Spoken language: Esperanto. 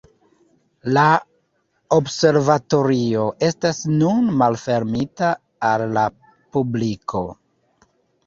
La observatorio estas nun malfermita al la publiko.